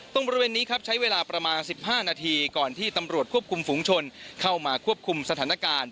บริเวณนี้ครับใช้เวลาประมาณ๑๕นาทีก่อนที่ตำรวจควบคุมฝุงชนเข้ามาควบคุมสถานการณ์